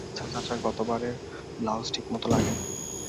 আচ্ছা চাচা, গত বারের ব্লাউজ ঠিক মতো লাগেনি।